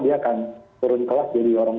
dia akan turun kelas jadi orang